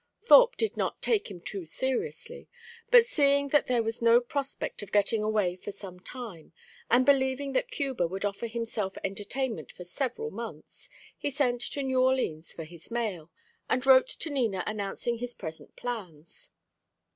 Thorpe did not take him too seriously, but seeing that there was no prospect of getting away for some time, and believing that Cuba would offer himself entertainment for several months, he sent to New Orleans for his mail, and wrote to Nina announcing his present plans.